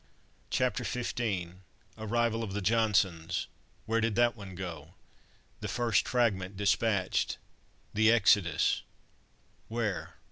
CHAPTER XV ARRIVAL OF THE "JOHNSONS" "WHERE DID THAT ONE GO?" THE FIRST FRAGMENT DISPATCHED THE EXODUS WHERE?